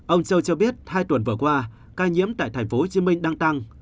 ông châu cho biết hai tuần vừa qua ca nhiễm tại tp hcm đang tăng